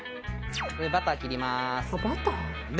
バター切りますで